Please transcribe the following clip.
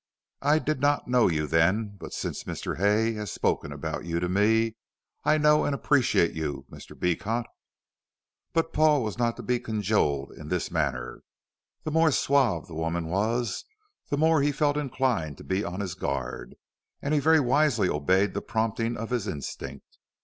I did not know you then, but since Mr. Hay has spoken about you to me, I know and appreciate you, Mr. Beecot." But Paul was not to be cajoled in this manner. The more suave the woman was, the more he felt inclined to be on his guard, and he very wisely obeyed the prompting of his instinct.